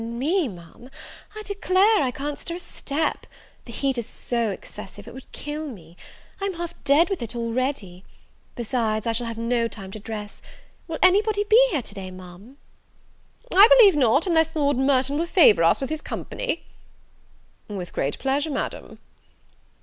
"Me, Ma'am! I declare I can't stir a step; the heat is so excessive, it would kill me. I'm half dead with it already; besides, I shall have no time to dress. Will any body be here to day, Ma'am?" "I believe not, unless Lord Merton will favour us with his company." "With great pleasure, Madam."